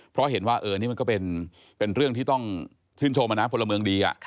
เพราะเห็นว่านี่มันก็เป็นเรื่องที่ต้องชื่นชมนะพลเมืองดี